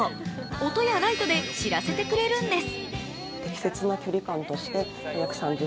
音やライトで知らせてくれるんです。